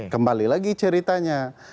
kembali lagi ceritanya